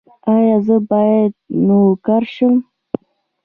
ایا زه باید نوکر شم؟